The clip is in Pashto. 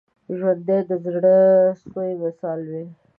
ژوندي د زړه سوي مثال وي